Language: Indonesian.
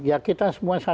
ya kita semua satu